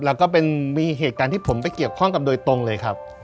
แล้วก็เป็นมีเหตุการณ์ที่ผมไปเกี่ยวข้องกับโดยตรงเลยครับ